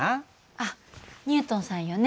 あっニュートンさんよね。